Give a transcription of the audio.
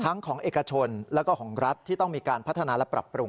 ของเอกชนแล้วก็ของรัฐที่ต้องมีการพัฒนาและปรับปรุง